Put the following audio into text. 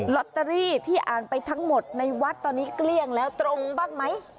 ลอตเตอรี่ที่อ่านไปทั้งหมดในวัดตอนนี้เกลี้ยงแล้วตรงบ้างไหม